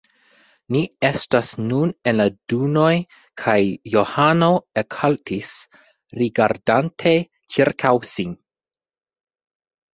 Ni estis nun en la dunoj kaj Johano ekhaltis, rigardante ĉirkaŭ sin.